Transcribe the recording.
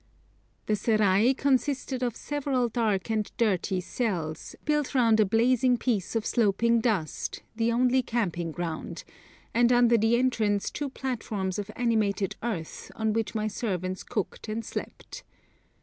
The Serai consisted of several dark and dirty cells, built round a blazing piece of sloping dust, the only camping ground, and under the entrance two platforms of animated earth, on which my servants cooked and slept.